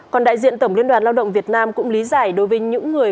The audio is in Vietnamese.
còn đại diện tổng liên đoàn lao động việt nam cũng lý giải đối với những người